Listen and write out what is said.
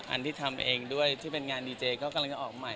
อันที่ทำเองด้วยพลังไปที่เป็นงานดีเจก็ออกใหม่